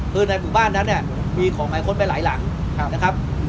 คือในหมู่บ้านนั้นเนี่ยมีของหมายค้นไปหลายหลังนะครับ